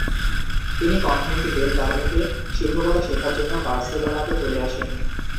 তিনি Convent del কার্মে-তে শিক্ষকতা শেখার জন্য বার্সেলোনাতে চলে আসেন।